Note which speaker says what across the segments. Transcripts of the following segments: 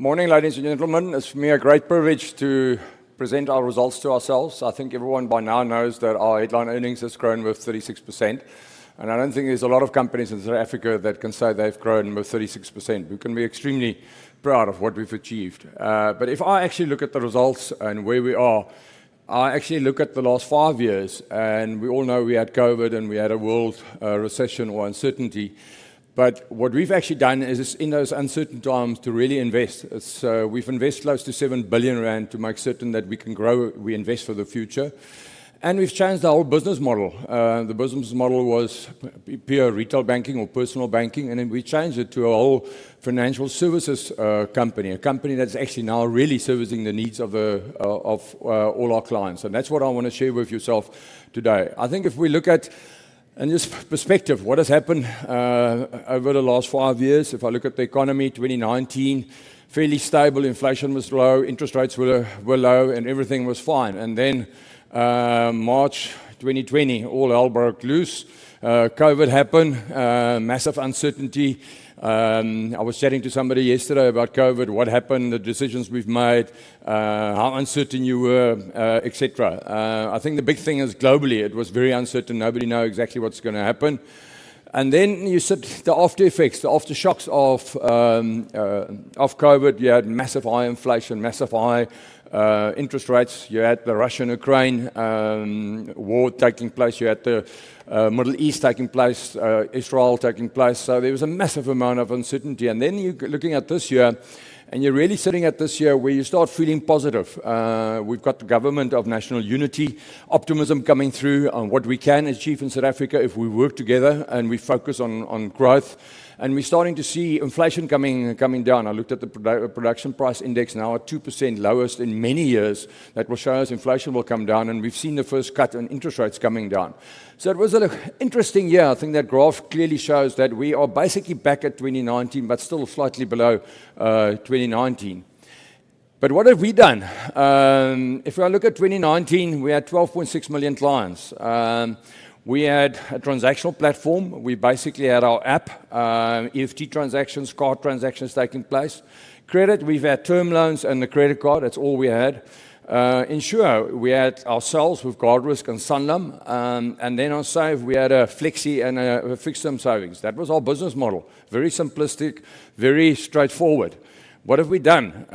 Speaker 1: Morning, ladies and gentlemen. It's for me a great privilege to present our results to ourselves. I think everyone by now knows that our headline earnings has grown with 36%, and I don't think there's a lot of companies in South Africa that can say they've grown with 36%. We can be extremely proud of what we've achieved. But if I actually look at the results and where we are, I actually look at the last five years, and we all know we had COVID, and we had a world, recession or uncertainty. But what we've actually done is, in those uncertain times, to really invest. So we've invested close to 7 billion rand to make certain that we can grow, we invest for the future, and we've changed our whole business model. The business model was pure retail banking or personal banking, and then we changed it to a whole financial services company, a company that's actually now really servicing the needs of all our clients. That's what I want to share with yourself today. I think if we look at, in this perspective, what has happened over the last five years, if I look at the economy, twenty nineteen, fairly stable, inflation was low, interest rates were low, and everything was fine. Then, March twenty twenty, all hell broke loose. COVID happened, massive uncertainty. I was chatting to somebody yesterday about COVID, what happened, the decisions we've made, how uncertain you were, et cetera. I think the big thing is, globally, it was very uncertain. Nobody know exactly what's gonna happen. And then you said the after effects, the aftershocks of COVID. You had massive high inflation, massive high interest rates. You had the Russia and Ukraine war taking place. You had the Middle East taking place, Israel taking place. So there was a massive amount of uncertainty. And then you're looking at this year, and you're really sitting at this year where you start feeling positive. We've got the government of national unity, optimism coming through on what we can achieve in South Africa if we work together and we focus on growth, and we're starting to see inflation coming down. I looked at the producer price index, now at 2%, lowest in many years. That will show us inflation will come down, and we've seen the first cut in interest rates coming down. So it was an interesting year. I think that graph clearly shows that we are basically back at 2019, but still slightly below 2019. But what have we done? If I look at 2019, we had 12.6 million clients. We had a transactional platform. We basically had our app, EFT transactions, card transactions taking place. Credit, we've had term loans and the credit card. That's all we had. Insurance, we had ourselves with Guardrisk and Sanlam. And then on Save, we had a flexi and a fixed-term savings. That was our business model. Very simplistic, very straightforward. What have we done?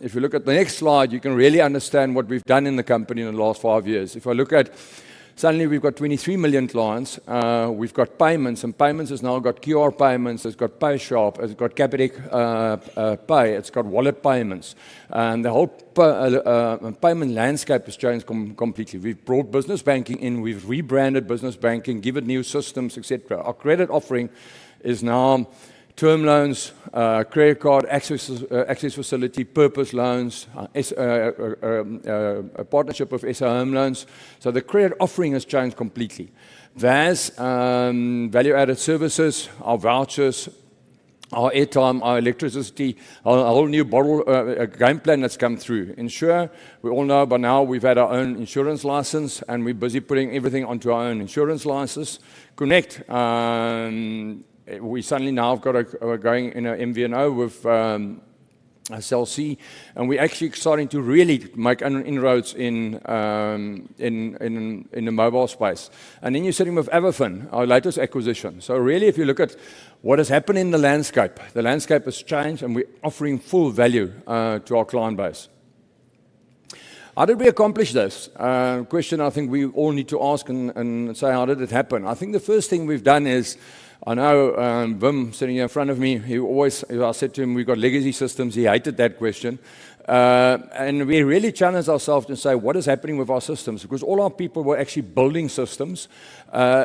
Speaker 1: If you look at the next slide, you can really understand what we've done in the company in the last five years. If I look at... Suddenly, we've got 23 million clients. We've got payments, and payments has now got QR payments, it's got PayShap, it's got Capitec Pay, it's got wallet payments, and the whole payment landscape has changed completely. We've brought business banking in. We've rebranded business banking, given new systems, et cetera. Our credit offering is now term loans, credit card access, access facility, purpose loans, a partnership with SA Home Loans. So the credit offering has changed completely. VAS, value-added services, our vouchers, our airtime, our electricity, our whole new model, game plan that's come through. Insurance, we all know by now we've had our own insurance license, and we're busy putting everything onto our own insurance license. Connect, we suddenly now have got a, we're going in an MVNO with Cell C, and we're actually starting to really make inroads in the mobile space. And then you're sitting with Avafin, our latest acquisition. So really, if you look at what has happened in the landscape, the landscape has changed, and we're offering full value to our client base. How did we accomplish this? Question I think we all need to ask and say, "How did it happen?" I think the first thing we've done is... I know, Wim sitting here in front of me, he always, if I said to him, "We've got legacy systems," he hated that question. And we really challenged ourselves to say, "What is happening with our systems?" Because all our people were actually building systems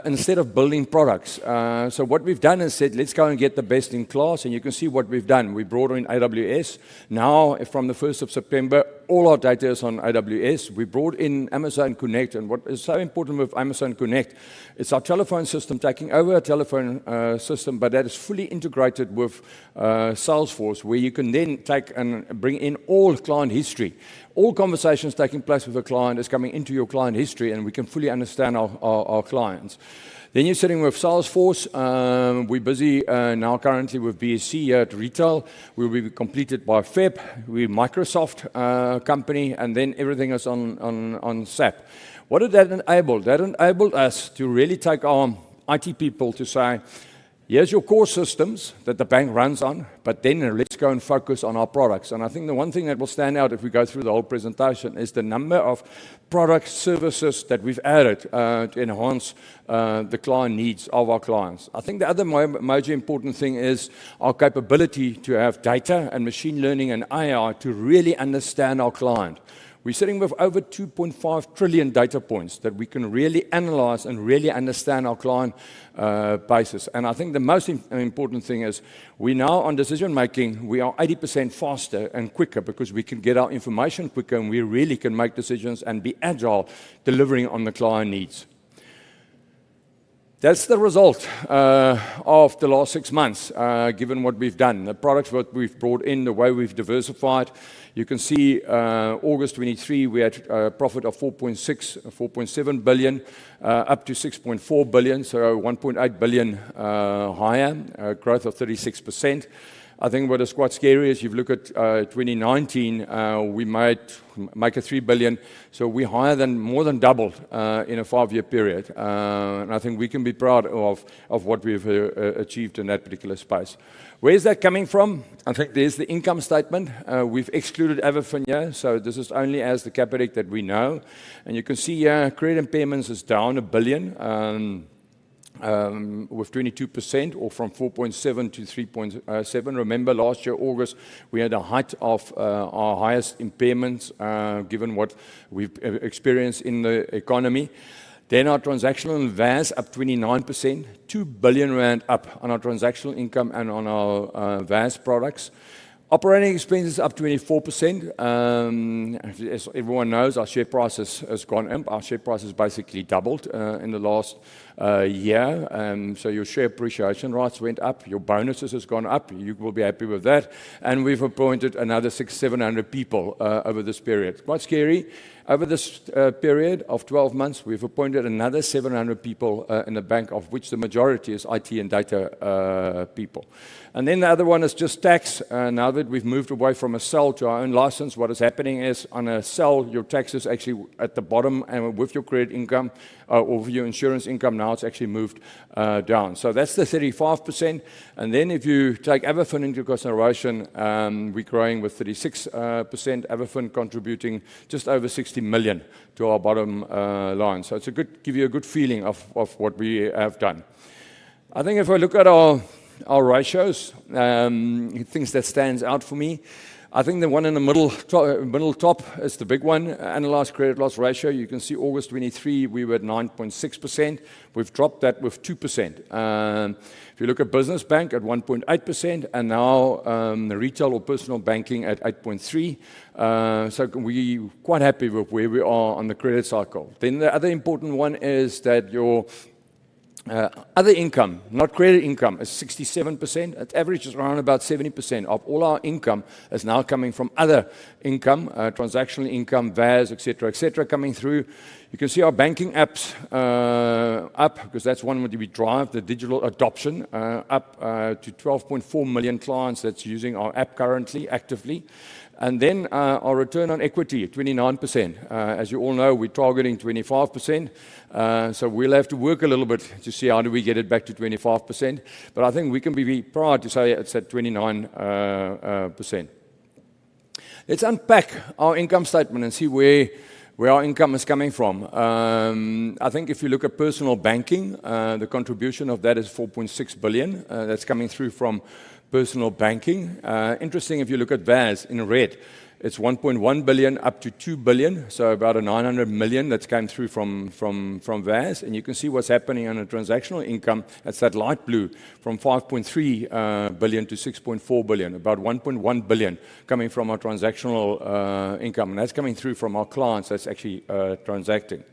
Speaker 1: instead of building products. So what we've done is said, "Let's go and get the best in class," and you can see what we've done. We brought in AWS. Now, from the first of September, all our data is on AWS. We brought in Amazon Connect, and what is so important with Amazon Connect, it's our telephone system taking over our telephone system, but that is fully integrated with Salesforce, where you can then take and bring in all client history. All conversations taking place with a client is coming into your client history, and we can fully understand our clients. Then you're sitting with Salesforce. We're busy now currently with BaNCS or BSC at retail. We will be completed by February with migration completely or Microsoft [Product], and then everything is on SAP. What did that enable? That enabled us to really take our IT people to say, "Here's your core systems that the bank runs on, but then let's go and focus on our products." And I think the one thing that will stand out, if we go through the whole presentation, is the number of product services that we've added to enhance the client needs of our clients. I think the other major important thing is our capability to have data and machine learning and AI to really understand our client. We're sitting with over two point five trillion data points that we can really analyze and really understand our client basis. And I think the most important thing is we now, on decision-making, we are 80% faster and quicker because we can get our information quicker, and we really can make decisions and be agile, delivering on the client needs. That's the result of the last six months, given what we've done, the products what we've brought in, the way we've diversified. You can see, August 2023, we had a profit of 4.6 billion-4.7 billion, up to 6.4 billion, so 1.8 billion higher, a growth of 36%. I think what is quite scary is you've looked at 2019, we made three billion, so we're higher than more than doubled in a five-year period. and I think we can be proud of, of what we've achieved in that particular space. Where is that coming from? I think there's the income statement. We've excluded Avafin, so this is only as the Capitec that we know. And you can see here, credit impairments is down 1 billion with 22% or from 4.7 billion to 3.7 billion. Remember, last year, August, we had a height of our highest impairments given what we've experienced in the economy. Then our transactional and VAS up 29%, 2 billion rand up on our transactional income and on our VAS products. Operating expenses up 24%. As everyone knows, our share price has gone up. Our share price has basically doubled in the last year. Your share appreciation rates went up, your bonuses has gone up. You will be happy with that. And we've appointed another 600-700 people over this period. Quite scary. Over this period of 12 months, we've appointed another 700 people in the bank, of which the majority is IT and data people. And then the other one is just tax. Now that we've moved away from a cell to our own license, what is happening is on a cell, your tax is actually at the bottom, and with your credit income or with your insurance income, now it's actually moved down. So that's the 35%. And then if you take Avafin into consideration, we're growing with 36%, Avafin contributing just over 60 million to our bottom line. So it's a good give you a good feeling of what we have done. I think if I look at our ratios, things that stands out for me, I think the one in the middle top is the big one, annualized credit loss ratio. You can see August 2023, we were at 9.6%. We've dropped that with 2%. If you look at business bank at 1.8% and now, the retail or personal banking at 8.3%, so we quite happy with where we are on the credit cycle. Then the other important one is that your other income, not credit income, is 67%. It averages around about 70% of all our income is now coming from other income, transactional income, VAS, et cetera, et cetera, coming through. You can see our banking apps up, because that's one where we drive the digital adoption up to 12.4 million clients that's using our app currently, actively. Then our return on equity 29%. As you all know, we're targeting 25%, so we'll have to work a little bit to see how do we get it back to 25%. But I think we can be proud to say it's at 29%. Let's unpack our income statement and see where our income is coming from. I think if you look at personal banking, the contribution of that is 4.6 billion. That's coming through from personal banking. Interesting, if you look at VAS in red, it's 1.1 billion up to 2 billion, so about 900 million that's come through from VAS. And you can see what's happening on a transactional income. That's that light blue from 5.3 billion to 6.4 billion, about 1.1 billion coming from our transactional income, and that's coming through from our clients that's actually transacting.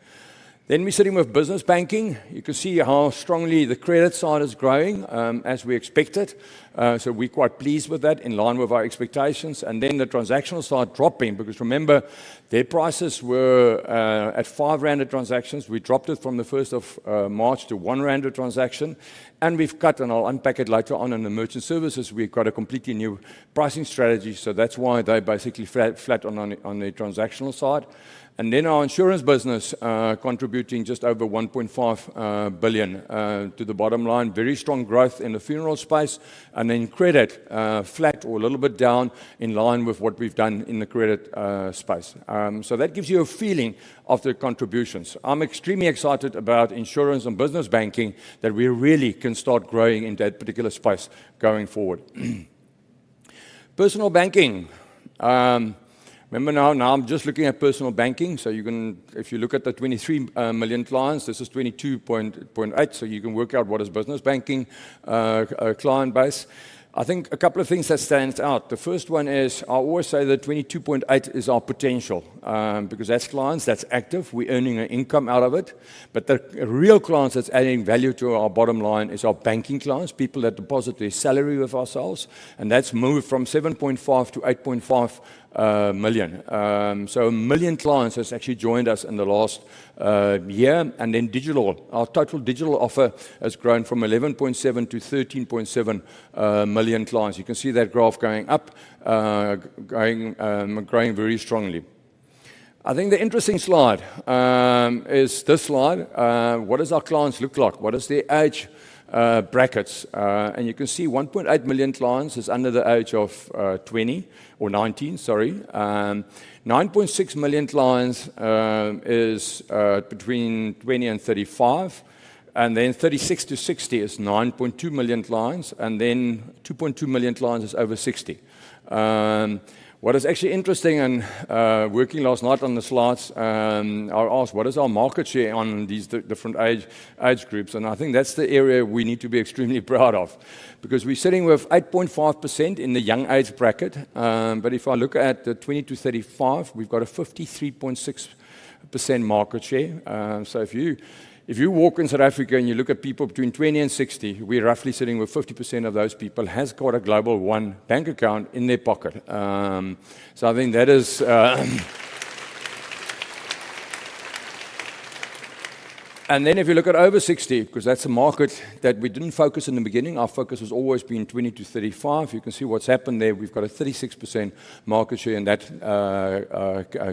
Speaker 1: Then we're sitting with business banking. You can see how strongly the credit side is growing, as we expected. So we're quite pleased with that, in line with our expectations. And then the transactional side dropping, because remember, their prices were at 5 rand transactions. We dropped it from the first of March to 1 rand a transaction, and we've cut, and I'll unpack it later on in the merchant services. We've got a completely new pricing strategy. So that's why they're basically flat on the transactional side. And then our insurance business, contributing just over 1.5 billion to the bottom line. Very strong growth in the funeral space, and then credit, flat or a little bit down in line with what we've done in the credit space. So that gives you a feeling of the contributions. I'm extremely excited about insurance and business banking, that we really can start growing in that particular space going forward. Personal banking. Remember now, I'm just looking at personal banking. If you look at the 23 million clients, this is 22.8, so you can work out what is business banking client base. I think a couple of things that stands out. The first one is, I always say that 22.8 is our potential, because that's clients that's active, we're earning an income out of it. But the real clients that's adding value to our bottom line is our banking clients, people that deposit their salary with ourselves, and that's moved from 7.5 to 8.5 million, so a million clients has actually joined us in the last year. Then digital. Our total digital offer has grown from 11.7 to 13.7 million clients. You can see that graph going up, growing very strongly. I think the interesting slide is this slide. What does our clients look like? What is their age brackets and you can see 1.8 million clients is under the age of twenty or nineteen, sorry. 9.6 million clients is between twenty and thirty-five, and then thirty-six to sixty is 9.2 million clients, and then 2.2 million clients is over sixty. What is actually interesting and working last night on the slides, I asked, what is our market share on these different age groups and I think that's the area we need to be extremely proud of, because we're sitting with 8.5% in the young age bracket. But if I look at the twenty to thirty-five, we've got a 53.6% market share. So if you walk in South Africa and you look at people between 20 and 60, we're roughly sitting with 50% of those people has got a Global One bank account in their pocket. So I think that is, and then if you look at over 60, 'cause that's a market that we didn't focus in the beginning, our focus has always been 20 to 35. You can see what's happened there. We've got a 36% market share in that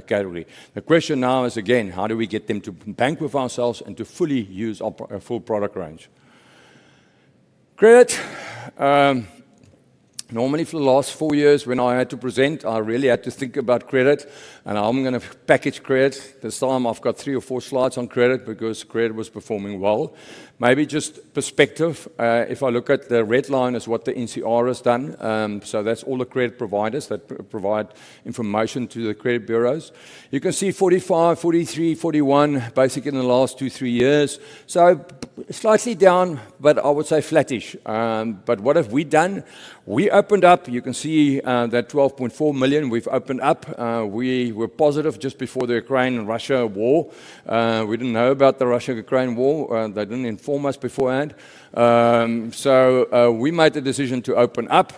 Speaker 1: category. The question now is, again, how do we get them to bank with ourselves and to fully use our full product range? Credit, normally for the last 4 years, when I had to present, I really had to think about credit and how I'm gonna package credit. This time I've got three or four slides on credit because credit was performing well. Maybe just perspective, if I look at the red line, is what the NCR has done. So that's all the credit providers that provide information to the credit bureaus. You can see 45, 43, 41, basically in the last two, three years. So slightly down, but I would say flattish. But what have we done? We opened up. You can see that 12.4 million we've opened up. We were positive just before the Ukraine-Russia war. We didn't know about the Russia-Ukraine war. They didn't inform us beforehand. So we made the decision to open up,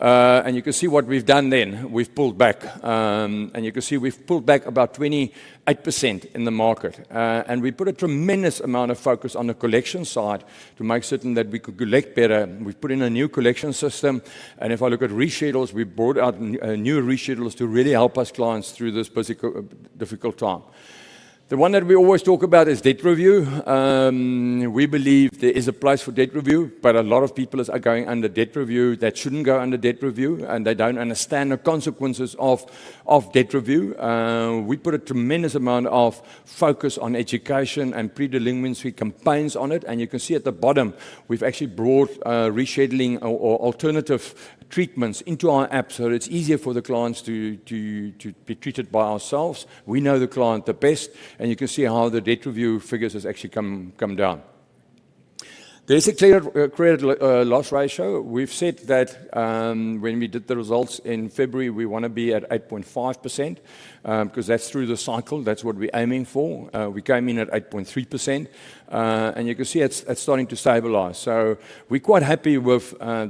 Speaker 1: and you can see what we've done then. We've pulled back. And you can see we've pulled back about 28% in the market. And we put a tremendous amount of focus on the collection side to make certain that we could collect better. We've put in a new collection system, and if I look at reschedules, we brought out new reschedules to really help our clients through this difficult time. The one that we always talk about is debt review. We believe there is a place for debt review, but a lot of people is, are going under debt review that shouldn't go under debt review, and they don't understand the consequences of debt review. We put a tremendous amount of focus on education and pre-delinquency campaigns on it, and you can see at the bottom, we've actually brought rescheduling or alternative treatments into our app, so it's easier for the clients to be treated by ourselves. We know the client the best, and you can see how the debt review figures has actually come down. There's a clear credit loss ratio. We've said that, when we did the results in February, we want to be at 8.5%, 'cause that's through the cycle. That's what we're aiming for. We came in at 8.3%. And you can see it's starting to stabilize. So we're quite happy with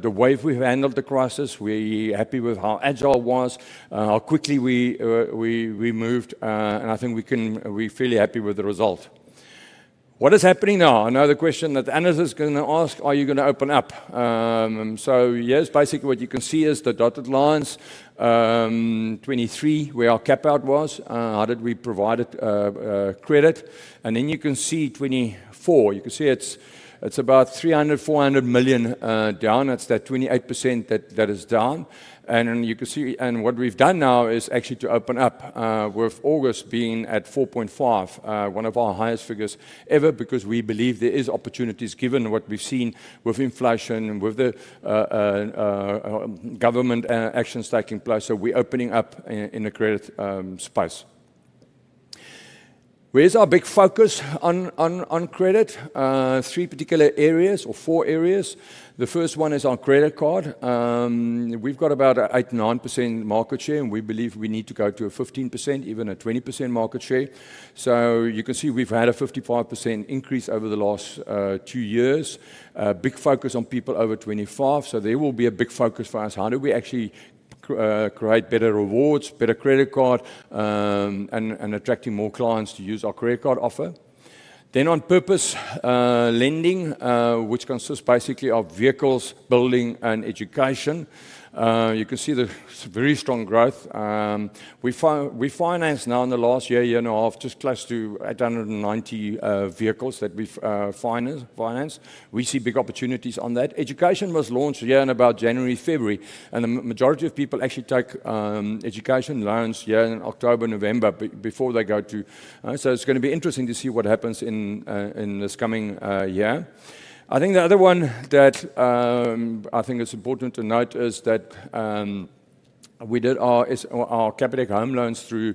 Speaker 1: the way we've handled the crisis. We're happy with how agile was, how quickly we moved. And I think we can-- we're fairly happy with the result. What is happening now? Another question that analyst is gonna ask: Are you gonna open up? So here's basically what you can see is the dotted lines. 2023, where our cap out was, how did we provide it, credit? And then you can see 2024. You can see it's, it's about 300-400 million down. It's that 28% that, that is down. And then you can see. And what we've done now is actually to open up, with August being at 4.5, one of our highest figures ever, because we believe there is opportunities, given what we've seen with inflation, with the government actions taking place. So we're opening up in the credit space. Where is our big focus on credit? Three particular areas or four areas. The first one is on credit card. We've got about an 8-9% market share, and we believe we need to go to 15%, even 20% market share. You can see we've had a 55% increase over the last two years. Big focus on people over 25, so there will be a big focus for us. How do we actually create better rewards, better credit card, and attracting more clients to use our credit card offer? Then on personal lending, which consists basically of vehicles, building, and education. You can see the very strong growth. We financed now in the last year and a half just close to 890 vehicles that we've financed. We see big opportunities on that. Education was launched here in about January, February, and the majority of people actually take education loans here in October, November, before they go to. So it's gonna be interesting to see what happens in this coming year. I think the other one that I think is important to note is that we did our Capitec Home Loans through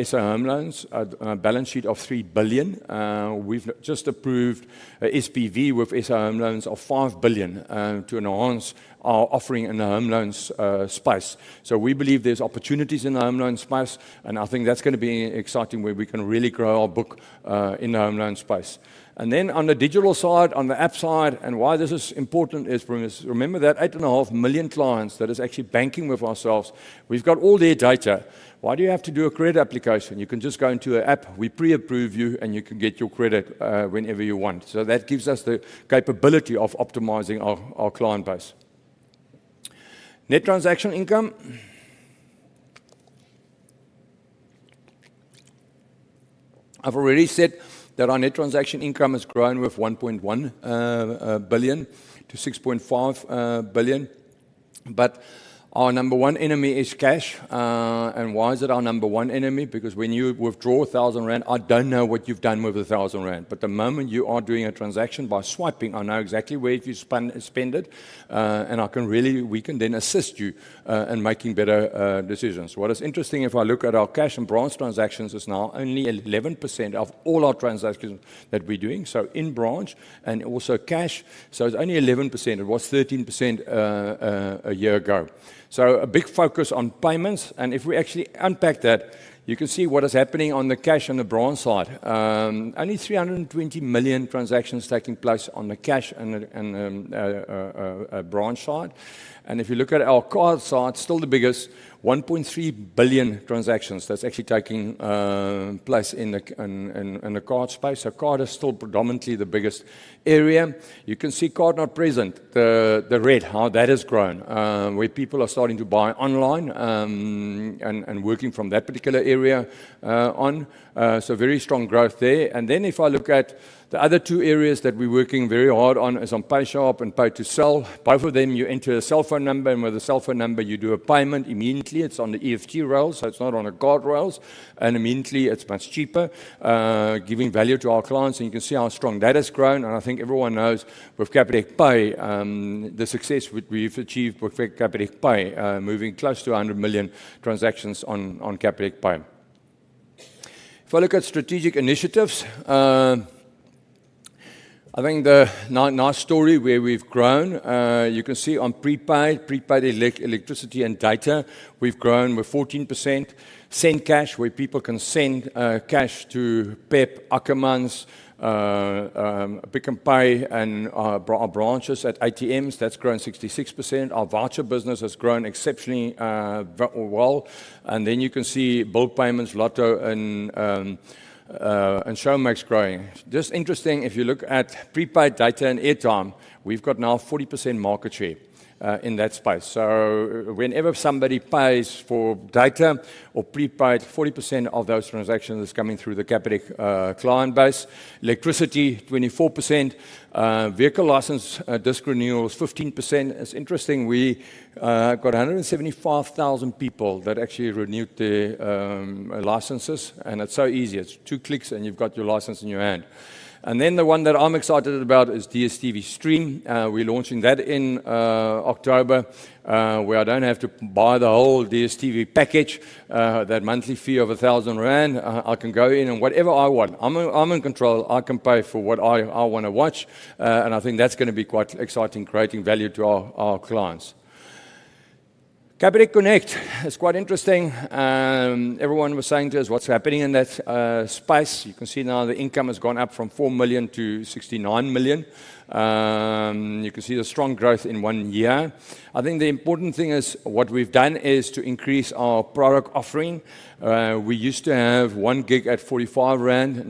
Speaker 1: SA Home Loans, a balance sheet of 3 billion. We've just approved a SPV with SA Home Loans of 5 billion to enhance our offering in the home loans space. So we believe there's opportunities in the home loan space, and I think that's gonna be exciting, where we can really grow our book in the home loan space. Then on the digital side, on the app side, and why this is important is for this. Remember that eight and a half million clients that is actually banking with ourselves. We've got all their data. Why do you have to do a credit application? You can just go into an app, we pre-approve you, and you can get your credit whenever you want. So that gives us the capability of optimizing our client base. Net transaction income. I've already said that our net transaction income has grown with 1.1 billion to 6.5 billion. But our number one enemy is cash. And why is it our number one enemy? Because when you withdraw 1,000 rand, I don't know what you've done with the 1,000 rand. But the moment you are doing a transaction by swiping, I know exactly where you spend it. And I can really, we can then assist you in making better decisions. What is interesting, if I look at our cash and branch transactions, is now only 11% of all our transactions that we're doing, so in branch and also cash. So it's only 11%. It was 13% a year ago. So a big focus on payments, and if we actually unpack that, you can see what is happening on the cash and the branch side. Only 320 million transactions taking place on the cash and the branch side. And if you look at our card side, still the biggest, 1.3 billion transactions that's actually taking place in the card space. So card is still predominantly the biggest area. You can see card not present, the red, how that has grown, where people are starting to buy online, and working from that particular area, on. So very strong growth there. And then if I look at the other two areas that we're working very hard on is on PayShap and Pay-to-Cell. Both of them, you enter a cell phone number, and with a cell phone number, you do a payment. Immediately, it's on the EFT rails, so it's not on the card rails, and immediately it's much cheaper, giving value to our clients. And you can see how strong that has grown, and I think everyone knows with Capitec Pay, the success we've achieved with Capitec Pay, moving close to 100 million transactions on Capitec Pay. If I look at strategic initiatives, I think the nice story where we've grown, you can see on prepaid, prepaid electricity and data, we've grown with 14%. Send Cash, where people can send cash to Pep, Ackermans, Pick n Pay and our branches at ATMs, that's grown 66%. Our voucher business has grown exceptionally, well. And then you can see bulk payments, Lotto and, and Showmax growing. Just interesting, if you look at prepaid data and airtime, we've got now 40% market share, in that space. So whenever somebody pays for data or prepaid, 40% of those transactions is coming through the Capitec client base. Electricity, 24%. Vehicle license disc renewal is 15%. It's interesting, we got 175,000 people that actually renewed their licenses, and it's so easy. It's 2 clicks, and you've got your license in your hand. And then the one that I'm excited about is DStv Stream. We're launching that in October, where I don't have to buy the whole DStv package. That monthly fee of 1,000 rand, I can go in and whatever I want. I'm in control. I can pay for what I wanna watch, and I think that's gonna be quite exciting, creating value to our clients. Capitec Connect is quite interesting. Everyone was saying to us, "What's happening in that space?" You can see now the income has gone up from 4 million ZAR to 69 million ZAR. You can see the strong growth in one year. I think the important thing is what we've done is to increase our product offering. We used to have one gig at 45 rand,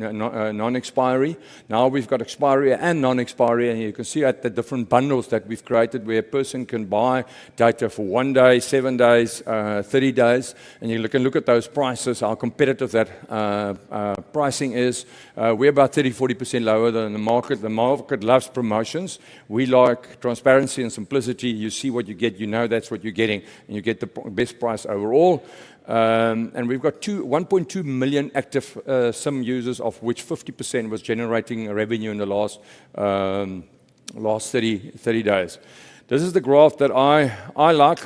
Speaker 1: non-expiry. Now, we've got expiry and non-expiry, and you can see at the different bundles that we've created, where a person can buy data for one day, seven days, 30 days. You can look at those prices, how competitive that pricing is. We're about 30-40% lower than the market. The market loves promotions. We like transparency and simplicity. You see what you get, you know that's what you're getting, and you get the best price overall. And we've got 1.2 million active SIM users, of which 50% was generating revenue in the last 30 days. This is the graph that I like.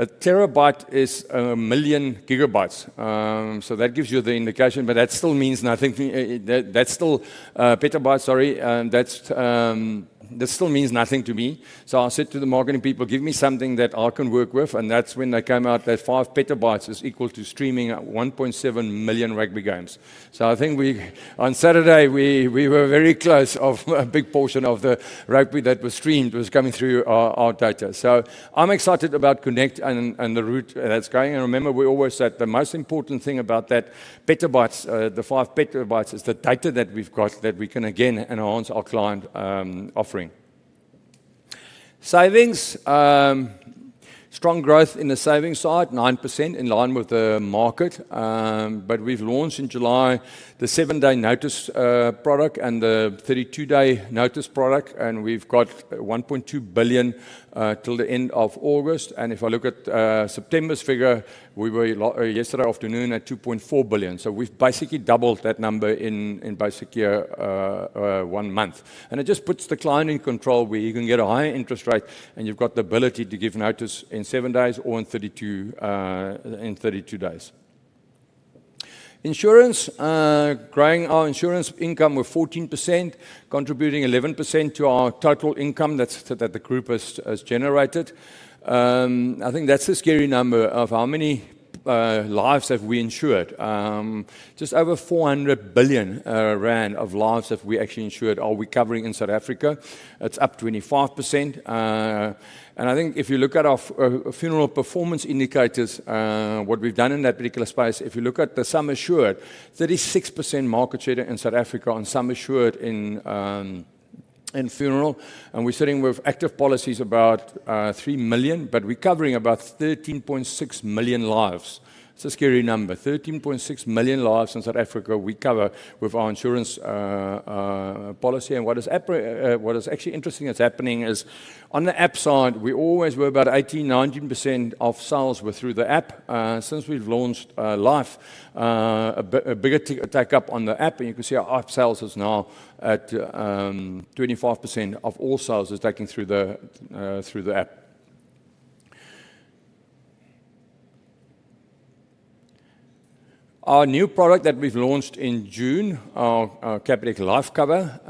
Speaker 1: A terabyte is 1 million gigabytes. So that gives you the indication, but that still means nothing. That's still petabyte, sorry. That's... This still means nothing to me. So I said to the marketing people, "Give me something that I can work with." And that's when they came out that 5 petabytes is equal to streaming 1.7 million rugby games. So I think we on Saturday we were very close of a big portion of the rugby that was streamed was coming through our data. So I'm excited about Connect and the route that's going. Remember, we always said the most important thing about that petabytes, the five petabytes, is the data that we've got, that we can again enhance our client offering. Savings strong growth in the savings side, 9%, in line with the market. We've launched in July the seven-day notice product and the thirty-two-day notice product, and we've got 1.2 billion till the end of August. If I look at September's figure, we were yesterday afternoon at 2.4 billion. We've basically doubled that number in basically one month. It just puts the client in control, where you can get a higher interest rate, and you've got the ability to give notice in seven days or in thirty-two days. Insurance, growing our insurance income with 14%, contributing 11% to our total income that's that the group has generated. I think that's a scary number of how many lives have we insured. Just over 400 billion rand of lives that we actually insured are we covering in South Africa. It's up 25%. And I think if you look at our funeral performance indicators, what we've done in that particular space, if you look at the sum assured, 36% market share in South Africa on sum assured in and funeral. And we're sitting with active policies about three million, but we're covering about 13.6 million lives. It's a scary number, 13.6 million lives in South Africa we cover with our insurance policy. What is actually interesting that's happening is, on the app side, we always were about 18-19% of sales were through the app. Since we've launched Life, a bigger take up on the app, and you can see our app sales is now at 25% of all sales is taken through the app. Our new product that we've launched in June, our Capitec Life Cover,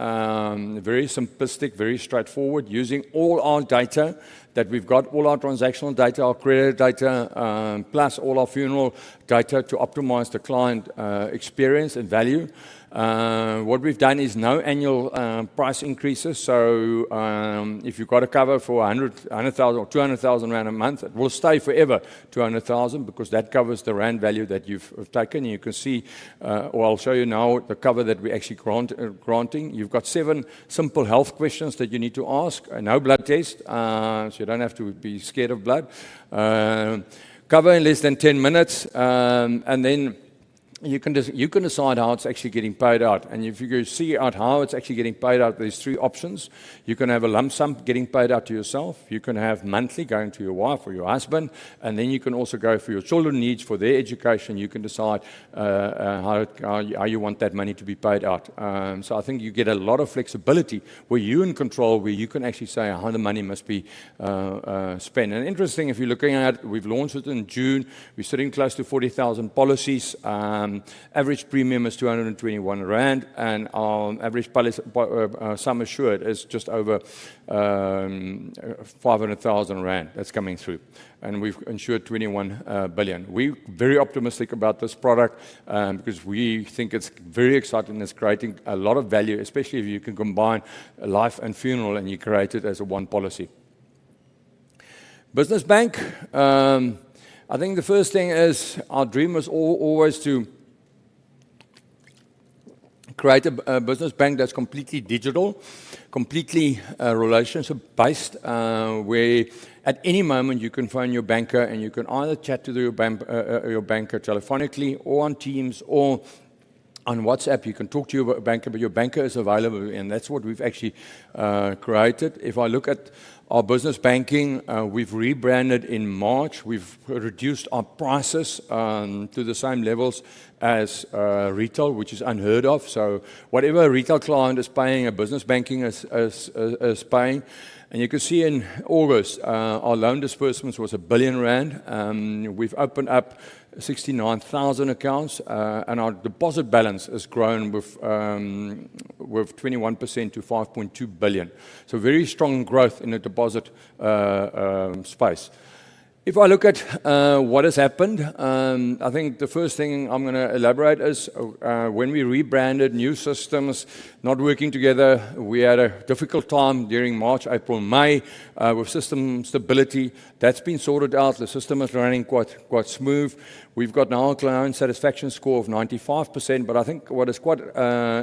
Speaker 1: very simplistic, very straightforward, using all our data that we've got, all our transactional data, our credit data, plus all our funeral data to optimize the client experience and value. What we've done is no annual price increases. If you've got a cover for 100,000 or 200,000 rand a month, it will stay forever 200,000, because that covers the rand value that you've taken. You can see, or I'll show you now the cover that we're actually granting. You've got seven simple health questions that you need to ask, and no blood test. So you don't have to be scared of blood. Cover in less than 10 minutes. And then you can just you can decide how it's actually getting paid out. If you go see at how it's actually getting paid out, there's three options. You can have a lump sum getting paid out to yourself. You can have monthly going to your wife or your husband, and then you can also go for your children needs, for their education. You can decide how you want that money to be paid out. So I think you get a lot of flexibility, where you're in control, where you can actually say how the money must be spent. Interesting, if you're looking at, we've launched it in June. We're sitting close to 40,000 policies. Average premium is 221 rand, and our average policy sum assured is just over 500,000 rand that's coming through, and we've insured 21 billion. We're very optimistic about this product because we think it's very exciting. It's creating a lot of value, especially if you can combine a life and funeral, and you create it as a one policy. Business bank. I think the first thing is our dream was always to create a business bank that's completely digital, completely relationship-based, where at any moment, you can phone your banker, and you can either chat to your banker telephonically, or on Teams, or on WhatsApp. You can talk to your banker, but your banker is available, and that's what we've actually created. If I look at our business banking, we've rebranded in March. We've reduced our prices to the same levels as retail, which is unheard of. So whatever a retail client is paying, a business banking is paying. And you can see in August, our loan disbursements was 1 billion rand. We've opened up 69,000 accounts, and our deposit balance has grown with 21% to 5.2 billion, so very strong growth in the deposit space. If I look at what has happened, I think the first thing I'm gonna elaborate is when we rebranded, new systems not working together. We had a difficult time during March, April, May, with system stability. That's been sorted out. The system is running quite smooth. We've got now a client satisfaction score of 95%, but I think what is quite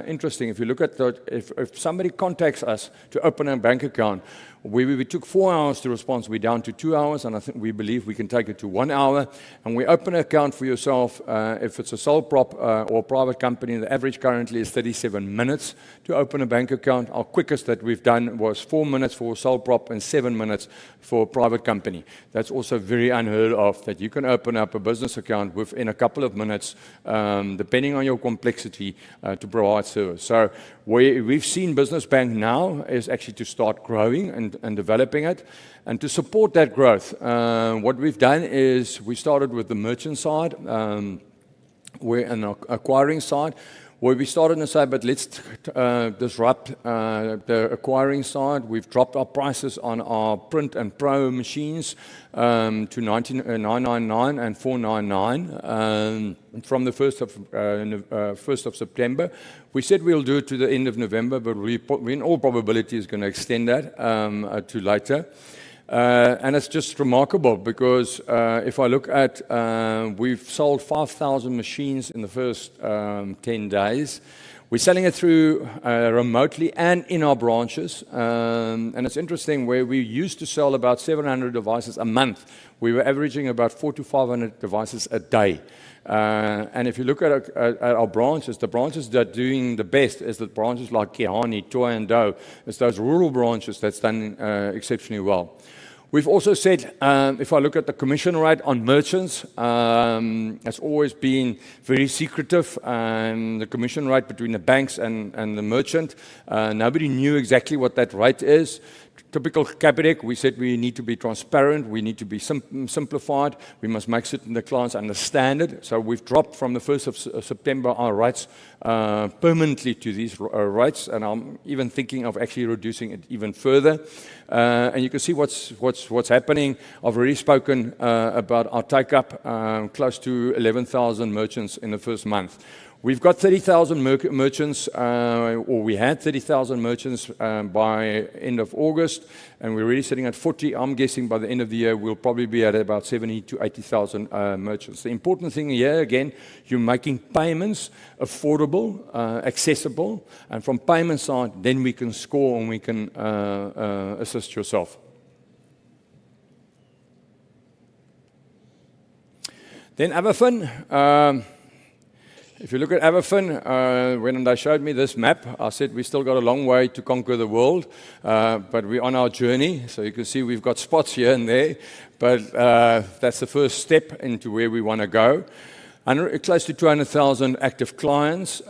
Speaker 1: interesting. If you look at the. If somebody contacts us to open a bank account, we took four hours to respond. So we're down to two hours, and I think we believe we can take it to one hour. And we open an account for yourself, if it's a sole prop, or private company, the average currently is 37 minutes to open a bank account. Our quickest that we've done was four minutes for a sole prop and seven minutes for a private company. That's also very unheard of, that you can open up a business account within a couple of minutes, depending on your complexity, to provide service. So where we've seen business bank now is actually to start growing and developing it. And to support that growth, what we've done is we started with the merchant side, where... and acquiring side, where we started and said, "But let's, disrupt, the acquiring side." We've dropped our prices on our Print and Pro machines, to 19,999 and 499, from the 1st of September. We said we'll do it to the end of November, but we in all probability is gonna extend that to later. And it's just remarkable because if I look at we've sold 5,000 machines in the first 10 days. We're selling it through remotely and in our branches. And it's interesting, where we used to sell about 700 devices a month, we were averaging about 4,000 to 500 devices a day. And if you look at our our branches, the branches that are doing the best is the branches like [Branch Names]. It's those rural branches that's done exceptionally well. We've also said, if I look at the commission rate on merchants, has always been very secretive, the commission rate between the banks and the merchant. Nobody knew exactly what that rate is. Typical Capitec, we said we need to be transparent, we need to be simplified. We must make certain the clients understand it. So we've dropped, from the 1st of September, our rates permanently to these rates, and I'm even thinking of actually reducing it even further. And you can see what's happening. I've already spoken about our take-up close to 11,000 merchants in the first month. We've got 30,000 merchants, or we had 30,000 merchants, by end of August, and we're already sitting at 40. I'm guessing by the end of the year, we'll probably be at about 70-80,000 merchants. The important thing here, again, you're making payments affordable, accessible, and from payment side, then we can score, and we can assist yourself. Then Avafin. If you look at Avafin, when they showed me this map, I said, "We've still got a long way to conquer the world, but we're on our journey." So you can see we've got spots here and there, but that's the first step into where we wanna go. Close to 200,000 active clients.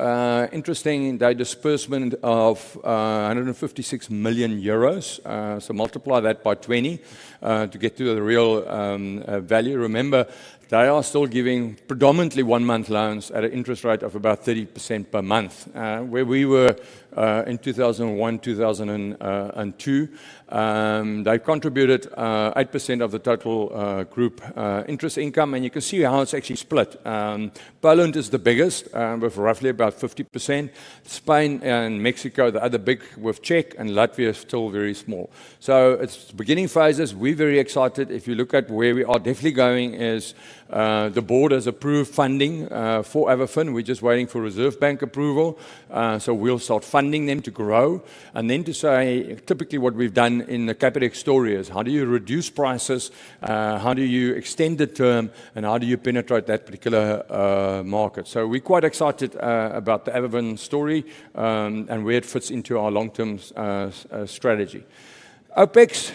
Speaker 1: Interesting, their disbursement of 156 million euros. So multiply that by twenty to get to the real value. Remember, they are still giving predominantly one-month loans at an interest rate of about 30% per month. Where we were in 2001, 2002, and two, they contributed 8% of the total group interest income. And you can see how it's actually split. Poland is the biggest with roughly about 50%. Spain and Mexico are the other big, with Czech and Latvia still very small. So it's beginning phases. We're very excited. If you look at where we are definitely going is, the board has approved funding for Avafin. We're just waiting for Reserve Bank approval. So we'll start funding them to grow. And then to say, typically what we've done in the Capitec story is: how do you reduce prices, how do you extend the term, and how do you penetrate that particular market? So we're quite excited about the Avafin story, and where it fits into our long-term strategy. OpEx,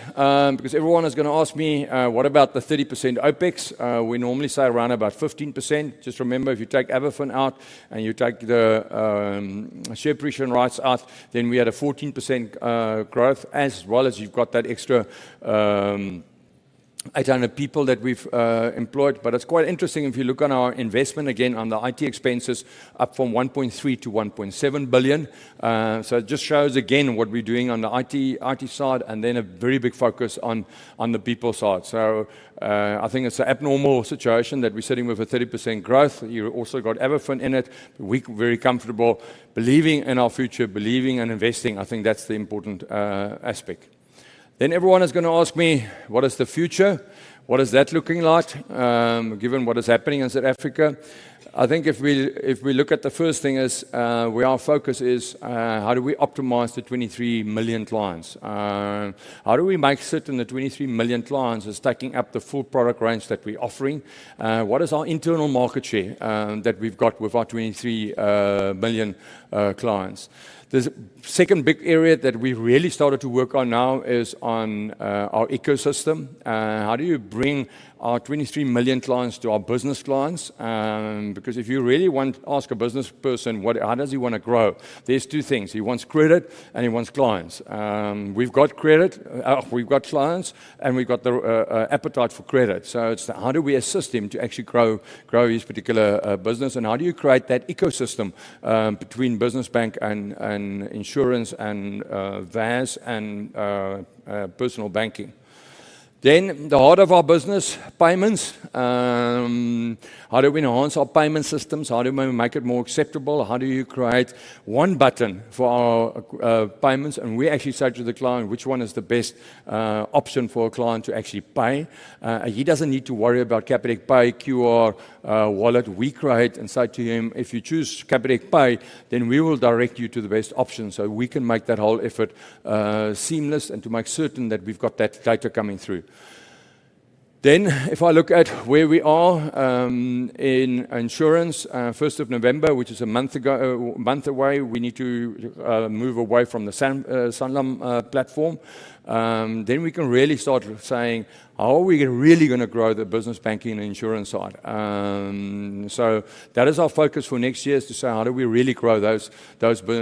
Speaker 1: because everyone is gonna ask me, what about the 30% OpEx? We normally say around about 15%. Just remember, if you take Avafin out, and you take the share appreciation rights out, then we had a 14% growth, as well as you've got that extra 800 people that we've employed. But it's quite interesting, if you look on our investment again, on the IT expenses, up from 1.3 billion to 1.7 billion. So it just shows again what we're doing on the IT side, and then a very big focus on the people side. So I think it's an abnormal situation that we're sitting with a 30% growth. You've also got Avafin in it. We're very comfortable believing in our future, believing and investing. I think that's the important aspect. Then everyone is gonna ask me: what is the future? What is that looking like, given what is happening in South Africa? I think if we, if we look at the first thing is, where our focus is, how do we optimize the twenty-three million clients? How do we make certain the twenty-three million clients is taking up the full product range that we're offering? What is our internal market share, that we've got with our twenty-three million clients? The second big area that we've really started to work on now is on our ecosystem. How do you bring our twenty-three million clients to our business clients? Because if you really want... Ask a business person, how does he wanna grow? There's two things: He wants credit, and he wants clients. We've got credit, we've got clients, and we've got the appetite for credit. So it's how do we assist him to actually grow his particular business, and how do you create that ecosystem between business bank and insurance and VAS and personal banking? Then the heart of our business, payments. How do we enhance our payment systems? How do we make it more acceptable? How do you create one button for our payments? And we actually say to the client, which one is the best option for a client to actually pay. He doesn't need to worry about Capitec Pay, QR, wallet. We create and say to him, "If you choose Capitec Pay, then we will direct you to the best option." So we can make that whole effort seamless and to make certain that we've got that data coming through. Then if I look at where we are in insurance, first of November, which is a month ago, a month away, we need to move away from the Sanlam platform. Then we can really start saying, "Are we really gonna grow the business banking and insurance side?" So that is our focus for next year, is to say: How do we really grow those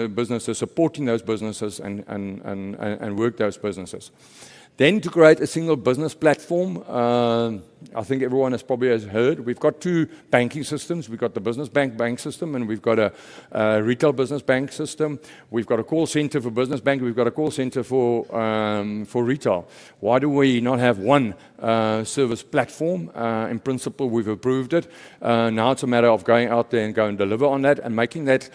Speaker 1: businesses, supporting those businesses and work those businesses? Then to create a single business platform. I think everyone has probably heard, we've got two banking systems. We've got the business banking system, and we've got a retail business banking system. We've got a call center for business banking, and we've got a call center for retail. Why do we not have one service platform? In principle, we've approved it. Now it's a matter of going out there and go and deliver on that and making that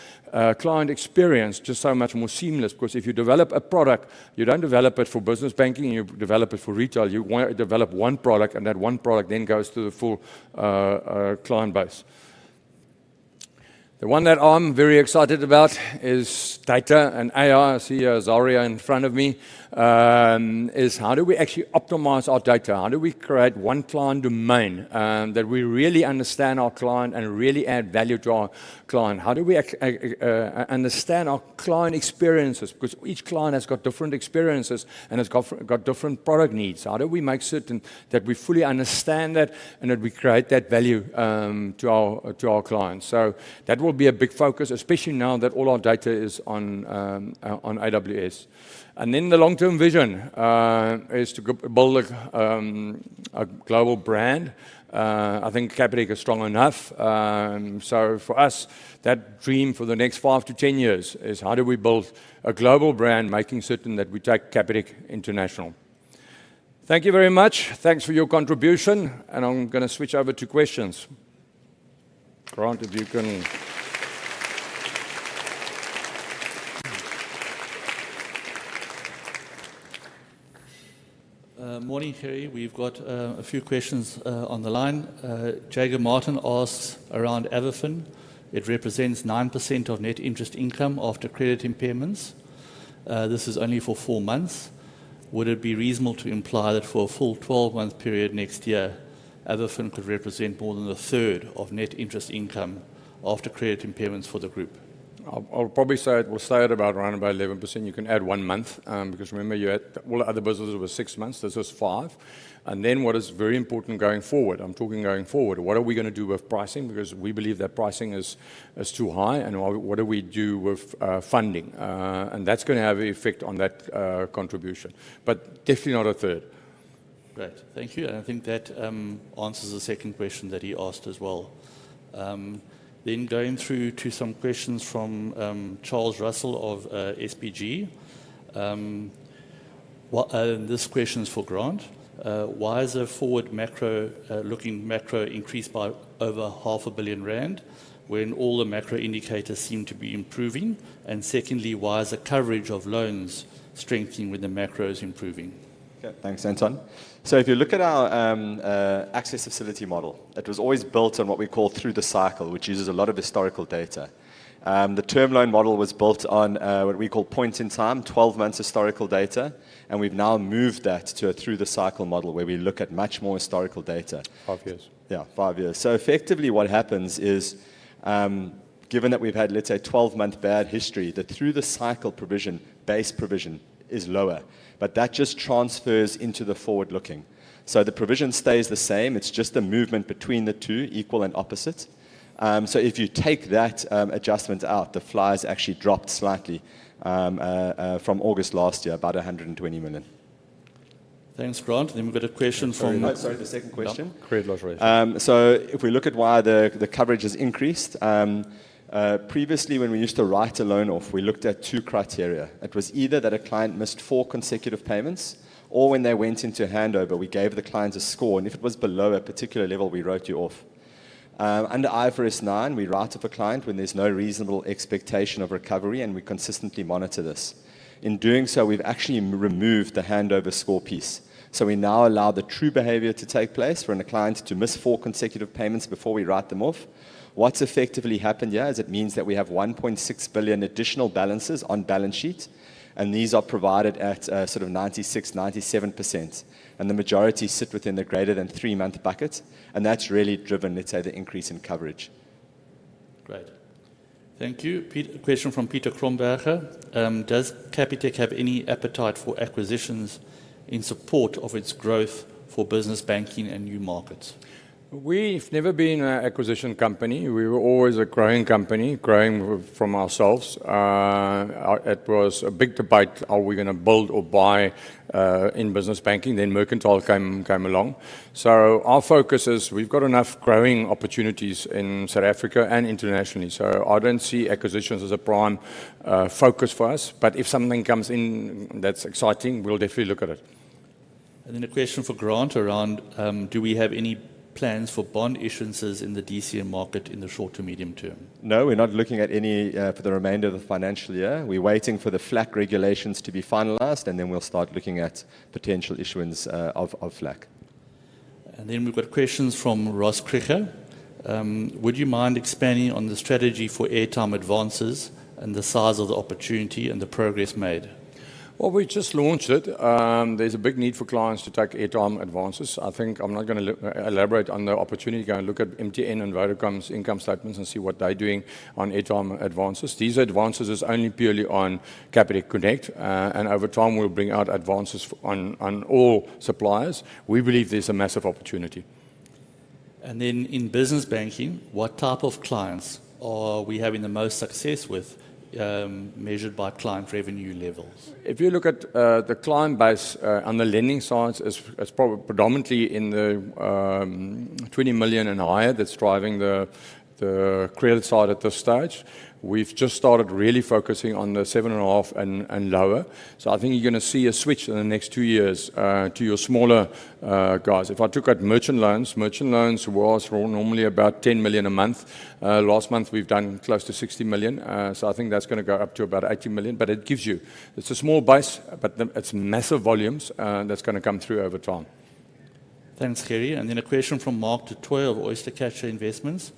Speaker 1: client experience just so much more seamless. 'Cause if you develop a product, you don't develop it for business banking, and you develop it for retail. You wanna develop one product, and that one product then goes to the full client base. The one that I'm very excited about is data and AI. I see Azaria in front of me. Is how do we actually optimize our data? How do we create one client domain, that we really understand our client and really add value to our client? How do we understand our client experiences? Because each client has got different experiences and has got different product needs. How do we make certain that we fully understand that and that we create that value, to our clients? So that will be a big focus, especially now that all our data is on AWS. And then the long-term vision is to go build a global brand. I think Capitec is strong enough. So for us, that dream for the next five to ten years is how do we build a global brand, making certain that we take Capitec international? Thank you very much. Thanks for your contribution, and I'm gonna switch over to questions. Grant, if you can...
Speaker 2: Morning, Gerrie. We've got a few questions on the Jaco Martin asks around Avafin. It represents 9% of net interest income after credit impairments. This is only for four months. Would it be reasonable to imply that for a full twelve-month period next year, Avafin could represent more than a third of net interest income after credit impairments for the group?
Speaker 1: I'll probably say it will stay at about around about 11%. You can add one month, because remember, you had all the other businesses were six months, this was five. And then what is very important going forward, I'm talking going forward, what are we gonna do with pricing? Because we believe that pricing is too high, and what do we do with funding? And that's gonna have an effect on that contribution, but definitely not a third.
Speaker 2: Great. Thank you, and I think that answers the second question that he asked as well. Then going through to some questions from Charles Russell of SBG. This question is for Grant. Why is there forward-looking macro increased by over 500 million rand, when all the macro indicators seem to be improving? And secondly, why is the coverage of loans strengthening when the macro is improving?
Speaker 3: Okay, thanks, Anton. So if you look at our access facility model, it was always built on what we call through the cycle, which uses a lot of historical data. The term loan model was built on what we call point in time, 12 months historical data, and we've now moved that to a through the cycle model, where we look at much more historical data.
Speaker 1: Five years.
Speaker 3: Yeah, five years. So effectively, what happens is, given that we've had, let's say, a 12-month bad history, the through the cycle provision, base provision is lower, but that just transfers into the forward looking. So the provision stays the same, it's just a movement between the two, equal and opposite. So if you take that adjustment out, the provisions actually dropped slightly from August last year, about 120 million.
Speaker 2: Thanks, Grant. Then we've got a question from-
Speaker 3: Sorry, the second question.
Speaker 1: Credit loss ratio.
Speaker 3: So if we look at why the coverage has increased, previously, when we used to write a loan off, we looked at two criteria. It was either that a client missed four consecutive payments or when they went into handover, we gave the clients a score, and if it was below a particular level, we wrote you off. Under IFRS 9, we write off a client when there's no reasonable expectation of recovery, and we consistently monitor this. In doing so, we've actually re-removed the handover score piece. So we now allow the true behavior to take place for a client to miss four consecutive payments before we write them off. What's effectively happened here is it means that we have 1.6 billion additional balances on balance sheet, and these are provided at sort of 96%-97%, and the majority sit within the greater than three-month bucket, and that's really driven, let's say, the increase in coverage.
Speaker 2: Great. Thank you. Question from Peter Cromhout?. Does Capitec have any appetite for acquisitions in support of its growth for business banking and new markets?
Speaker 1: We've never been an acquisition company. We were always a growing company, growing from ourselves. It was a big debate, are we gonna build or buy in business banking? Then Mercantile came along. So our focus is we've got enough growing opportunities in South Africa and internationally, so I don't see acquisitions as a prime focus for us, but if something comes in that's exciting, we'll definitely look at it.
Speaker 2: Then a question for Grant around: Do we have any plans for bond issuances in the DCM market in the short to medium term?
Speaker 3: No, we're not looking at any for the remainder of the financial year. We're waiting for the FLAC regulations to be finalized, and then we'll start looking at potential issuance of FLAC.
Speaker 2: And then we've got questions from Ross Krige. Would you mind expanding on the strategy for airtime advances and the size of the opportunity and the progress made?
Speaker 1: We just launched it. There's a big need for clients to take airtime advances. I think I'm not gonna elaborate on the opportunity. Go and look at MTN and Vodacom's income statements and see what they're doing on airtime advances. These advances is only purely on Capitec Connect, and over time, we'll bring out advances on all suppliers. We believe there's a massive opportunity.
Speaker 2: And then in business banking, what type of clients are we having the most success with, measured by client revenue levels?
Speaker 1: If you look at the client base on the lending side, is predominantly in the 20 million and higher that's driving the credit side at this stage. We've just started really focusing on the 7.5 and lower. So I think you're gonna see a switch in the next two years to your smaller guys. If I took out merchant loans, merchant loans was normally about 10 million a month. Last month, we've done close to 60 million. So I think that's gonna go up to about 80 million, but it gives you... It's a small base, but it's massive volumes that's gonna come through over time.
Speaker 2: Thanks, Gerry. And then a question from Mark Du Toit of Oystercatcher Investments.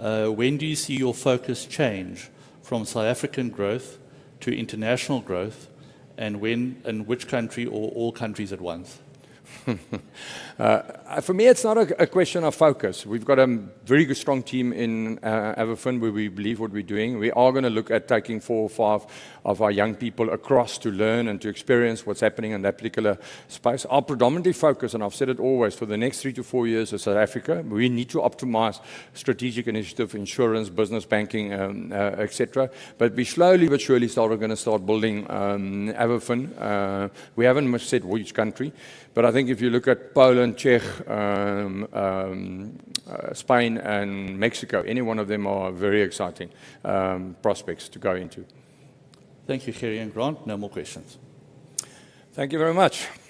Speaker 2: When do you see your focus change from South African growth to international growth, and when, in which country or all countries at once?
Speaker 1: For me, it's not a question of focus. We've got a very good, strong team in Avafin, where we believe what we're doing. We are gonna look at taking four or five of our young people across to learn and to experience what's happening in that particular space. Our predominantly focus, and I've said it always, for the next three to four years is South Africa. We need to optimize strategic initiative, insurance, business banking, et cetera. But we slowly but surely we're gonna start building Avafin. We haven't much said which country, but I think if you look at Poland, Czech, Spain and Mexico, any one of them are very exciting prospects to go into.
Speaker 2: Thank you, Gerrie and Grant. No more questions. Thank you very much.